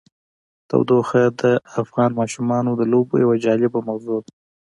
تودوخه د افغان ماشومانو د لوبو یوه جالبه موضوع ده.